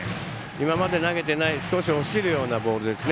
今まで投げてない落ちるようなボールですね。